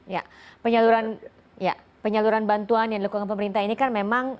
ya penyaluran bantuan yang dilakukan pemerintah ini kan memang